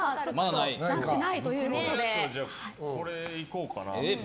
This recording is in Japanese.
これ、いこうかな。